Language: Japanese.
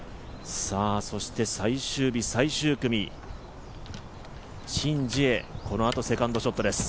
そして最終日最終組、シン・ジエ、このあとセカンドショットです。